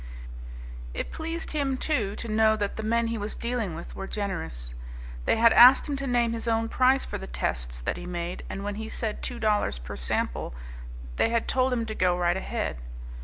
It pleased him, too, to know that the men he was dealing with were generous. They had asked him to name his own price or the tests that he made and when he had said two dollars per sample they had told him to go right ahead.